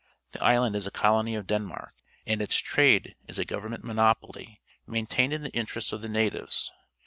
The island is a colony of Denmark, and its trade is a govern ment monopoly, maintained in the interests of the natives.